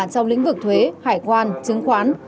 trong lĩnh vực thuế hải quan chứng khoán